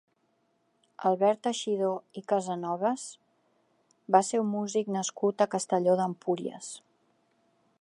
Albert Teixidor i Casanovas va ser un músic nascut a Castelló d'Empúries.